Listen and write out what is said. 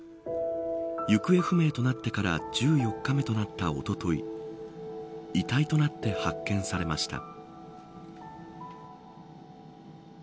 行方不明となってから１４日目となったおととい遺体となって発見されました。